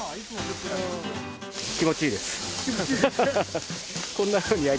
気持ちいいです。